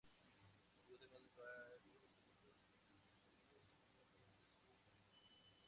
Hubo además varios heridos, incluidos miembros de su gabinete.